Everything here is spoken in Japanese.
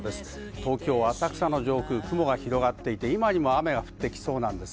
東京・浅草の上空、雲が広がっていて、雨が降ってきそうです。